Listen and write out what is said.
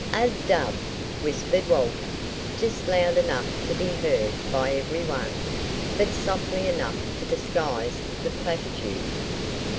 "A dove," whispered Walter, just loud enough to be heard by every one, but softly enough to disguise the platitude.